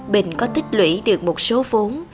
bình có tích lũy được một số vốn